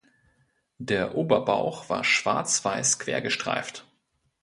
Der Oberbauch war schwarz-weiß quergestreift.